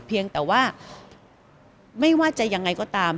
เพียงแต่ว่าไม่ว่าจะยังไงก็ตาม